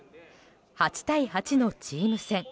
８対８のチーム戦。